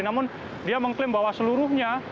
namun dia mengklaim bahwa seluruhnya